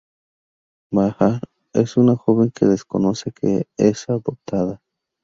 Bahar es una joven que desconoce que es adoptada.